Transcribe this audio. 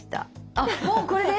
あっもうこれで⁉